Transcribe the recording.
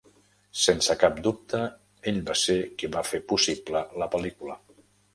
Sense cap dubte, ell va ser qui va fer possible la pel·lícula.